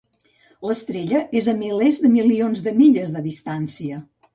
L'estrella és a milers de milions de milles de distància.